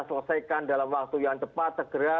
selesaikan dalam waktu yang cepat segera